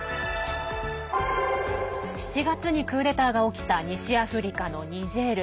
７月にクーデターが起きた西アフリカのニジェール。